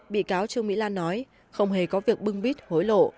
bị cáo trương mỹ lan nói không hề có việc bưng bít hối lộ